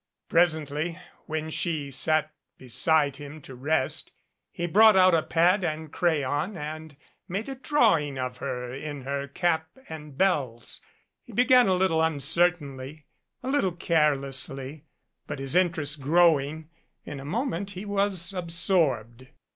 Presently, when she sat beside him to rest, he brought out a pad and crayon and made a drawing of her in her 137 MADCAP cap and bells. He began a little uncertainly, a little carelessly, but his interest growing, in a moment he was absorbed.